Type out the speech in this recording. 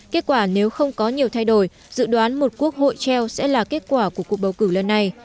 kết quả nếu không có nhiều thay đổi dự đoán một quốc hội treo sẽ là kết quả của cuộc bầu cử lần này